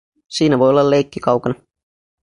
Siinä voi olla leikki kaukana.